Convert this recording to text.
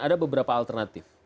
ada beberapa alternatif